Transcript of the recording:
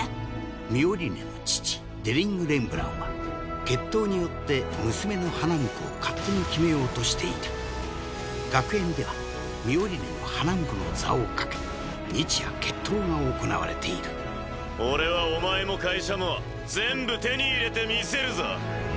ミオリネの父デリング・レンブランは決闘によって娘の花婿を勝手に決めようとしていた学園ではミオリネの花婿の座を懸け日夜決闘が行われている俺はお前も会社も全部手に入れてみせるぞ。